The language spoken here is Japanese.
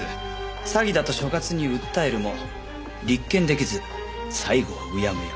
詐欺だと所轄に訴えるも立件出来ず最後はうやむや。